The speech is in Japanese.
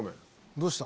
どうした？